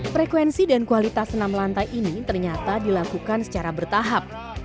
frekuensi dan kualitas senam lantai ini ternyata dilakukan secara bertahap